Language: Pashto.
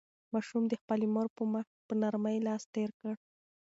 ماشوم د خپلې مور په مخ په نرمۍ لاس تېر کړ.